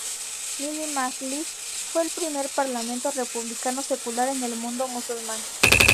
Milli Majlis fue el primer parlamento republicano secular en el mundo musulmán.